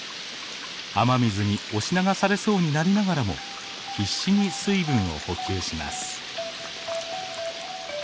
雨水に押し流されそうになりながらも必死に水分を補給します。